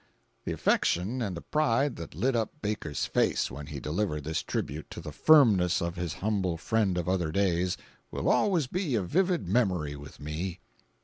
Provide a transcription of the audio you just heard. The affection and the pride that lit up Baker's face when he delivered this tribute to the firmness of his humble friend of other days, will always be a vivid memory with me.